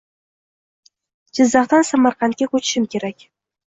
Jizzaxdan Samarqandga ko‘chishim kerak.